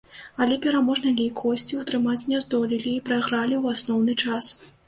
Але пераможны лік госці ўтрымаць не здолелі і прайгралі ў асноўны час.